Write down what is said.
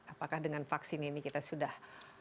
apakah dengan vaksin ini kita sudah